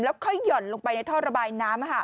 ค่อยหย่อนลงไปในท่อระบายน้ำ